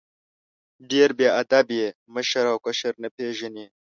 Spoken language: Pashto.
ډېر بې ادب یې ، مشر او کشر نه پېژنې!